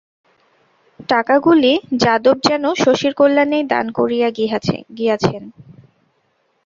টাকাগুলি যাদব যেন শশীর কল্যাণেই দান করিয়া গিয়াছেন।